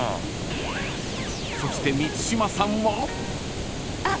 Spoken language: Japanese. ［そして満島さんは］あっ！